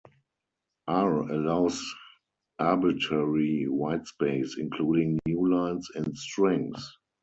R allows arbitrary whitespace, including newlines, in strings.